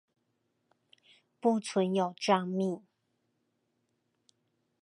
不存有帳密